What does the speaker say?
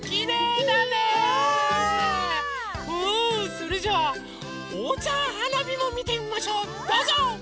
それじゃおうちゃんはなびもみてみましょうどうぞ！